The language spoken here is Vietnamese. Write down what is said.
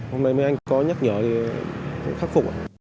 hôm nay mấy anh có nhắc nhở khắc phục ạ